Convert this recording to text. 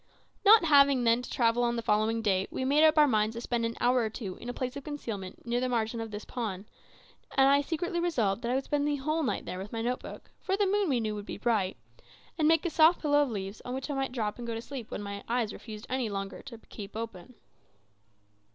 Not having, then, to travel on the following day, we made up our minds to spend an hour or two in a place of concealment near the margin of this pond; and I secretly resolved that I would spend the whole night there with my note book (for the moon, we knew, would be bright), and make a soft pillow of leaves on which I might drop and go to sleep when my eyes refused any longer to keep open.